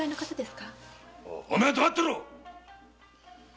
お前は黙ってろ！